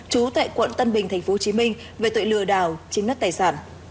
chú tại quận tân bình tp hcm về tội lừa đảo chiếm nất tài sản